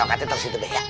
angkat kaki terus be